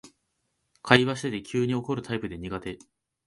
会話してて急に怒るタイプで苦手